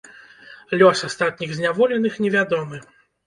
Лёс астатніх зняволеных невядомы.